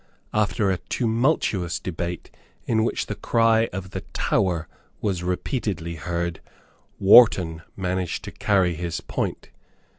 After a tumultuous debate in which the cry of "the Tower" was repeatedly heard, Wharton managed to carry his point.